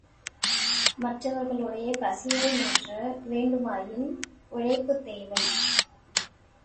மற்றவர்களுடைய பசியை மாற்ற வேண்டுமாயின் உழைப்பு தேவை.